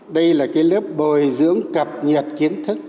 đây là cái lớp bồi dưỡng cập nhật kiến thức